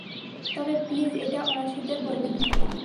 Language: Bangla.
তবে, প্লিজ, এটা অন্য ফরাসিদের বলবেন না।